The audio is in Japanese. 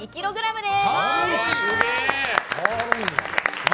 すげえ！